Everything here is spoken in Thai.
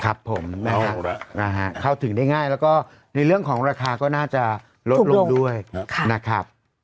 ครับผมนะฮะเข้าถึงได้ง่ายแล้วก็ในเรื่องของราคาก็น่าจะลดลงด้วยนะครับ